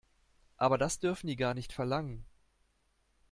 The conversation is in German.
Aber das dürfen die gar nicht verlangen.